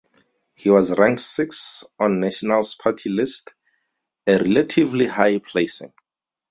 He was ranked sixth on National's party list, a relatively high placing.